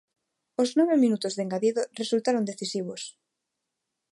Os nove minutos de engadido resultaron decisivos.